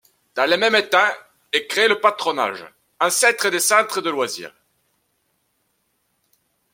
Dans le même temps, est créé le patronage, ancêtre des centres de loisirs.